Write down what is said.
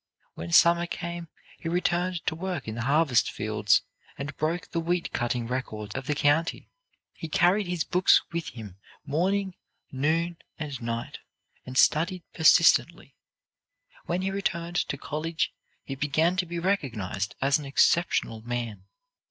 When summer came, he returned to work in the harvest fields and broke the wheat cutting records of the county. He carried his books with him morning, noon and night, and studied persistently. When he returned to college he began to be recognized as an exceptional man.